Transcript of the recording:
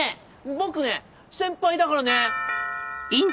僕ね先輩だからね！